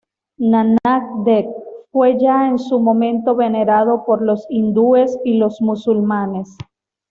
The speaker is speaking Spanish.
Nanak Dev fue ya en su momento venerado por los hindúes y los musulmanes.